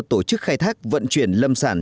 tổ chức khai thác vận chuyển lâm sản